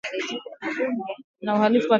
na uhalifu wa kifedha